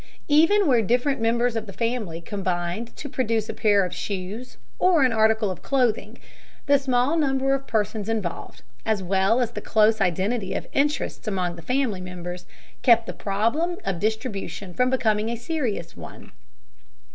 Even where different members of the family combined to produce a pair of shoes or an article of clothing, the small number of persons involved, as well as the close identity of interests among the family members, kept the problem of distribution from becoming a serious one.